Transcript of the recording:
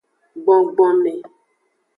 Gbogbome.